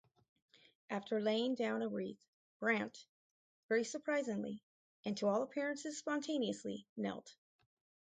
After laying down a wreath, Brandt, very surprisingly, and to all appearances spontaneously, knelt.